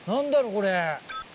これ。